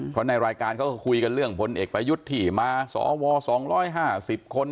เพราะในรายการเขาก็คุยกันเรื่องพลเอกประยุทธ์ที่มาสว๒๕๐คน